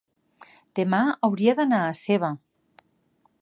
demà hauria d'anar a Seva.